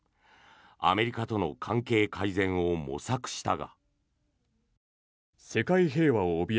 アメリカとの関係改善を模索したが。